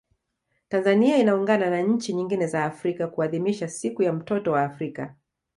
Tanzania inaungana na nchi nyingine za Afrika kuadhimisha siku ya mtoto wa Afrika